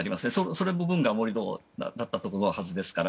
その部分が盛り土だったはずですから。